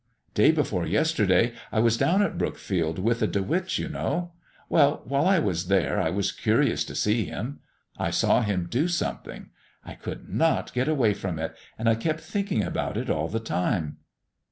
Day before yesterday I was down at Brookfield with the De Witts, you know. Well, while I was there I was curious to see Him. I saw Him do something; I could not get away from it, and I kept thinking about it all the time."